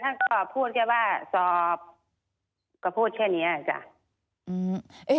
ท่านครอบครัวพูดแค่ว่าสอบก็พูดแค่นี้อ่ะจ๊ะ